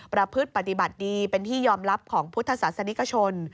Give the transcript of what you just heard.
ประพฤติปฏิบัติดีเป็นที่ยอมรับของพุทธศาสนิกชน